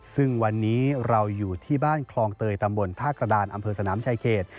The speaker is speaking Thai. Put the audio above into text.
ซึ่งวันนี้เราอยู่ที่บ้านคลองเตยตำบลท่ากระดานอำเภอสนามชายเขต